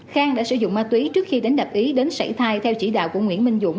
khang đã sử dụng ma túy trước khi đánh đập ý đến sản thai theo chỉ đạo của nguyễn minh dũng